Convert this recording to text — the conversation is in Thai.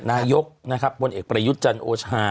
นายกบนเอกประยุทธ์จันทร์โอชา